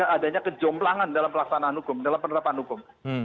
adanya kejomblangan dalam penerapan hukum